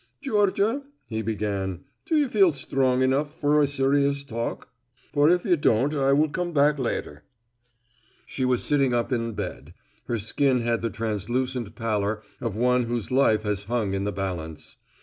"Georgia," he began, "do you feel strong enough for a serious talk? For if you don't I will come later." She was sitting up in bed. Her skin had the translucent pallor of one whose life has hung in the balance.